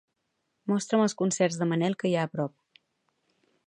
Mostra'm els concerts de Manel que hi ha a prop.